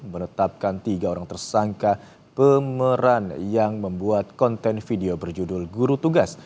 menetapkan tiga orang tersangka pemeran yang membuat konten video berjudul guru tugas